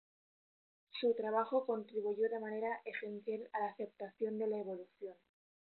Su trabajo contribuyó de manera esencial a la aceptación de la evolución.